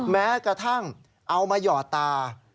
แม้กระทั่งเอามาหยอดตา